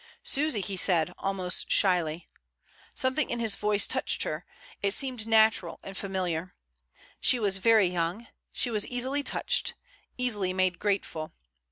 "Susy!" he said, almost shyly. Something in his voice touched her — it seemed natural and familiar. She was very young, she was easily touched, easily made grateful.